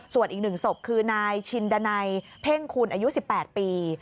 ส่วนอีกหนึ่งสมคือนายชินดานัยเพ่งคูณอายุ๑๘ปี